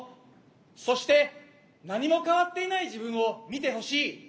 そして何も変わっていない自分を見てほしい。